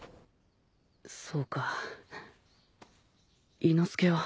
そうか伊之助は？